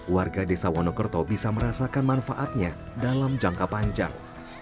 warga desa wonokerto bisa merasakan manfaatnya dalam jangka panjang